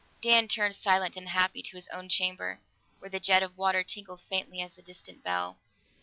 Dan turned silent and unhappy to his own chamber, where the jet of water tinkled faintly as a distant bell.